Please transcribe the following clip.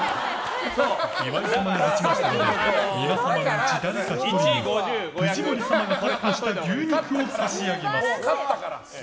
岩井様が勝ちましたので皆様のうち誰か１人に藤森慎吾様がカットした牛肉を差し上げます。